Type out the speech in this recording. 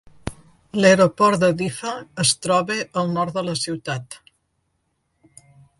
L'aeroport de Diffa es troba al nord de la ciutat.